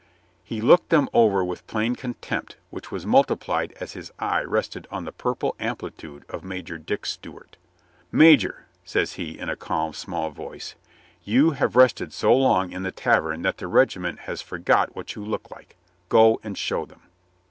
He looked them over with plain contempt which was multiplied as his eye rested on the purple amplitude of Major Dick Stew art "Major," says he in a calm small voice, "you have rested so long in the tavern that the regiment has forgot what you look like. Go and show them."